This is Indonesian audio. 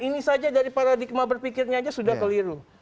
ini saja dari paradigma berpikirnya aja sudah keliru